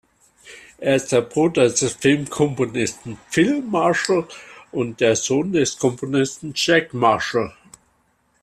Er ist der Bruder des Filmkomponisten Phil Marshall und Sohn des Komponisten Jack Marshall.